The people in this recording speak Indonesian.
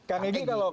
kak gini kalau